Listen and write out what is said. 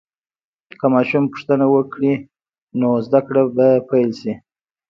که ماشوم پوښتنه وکړي، نو زده کړه به پیل شي.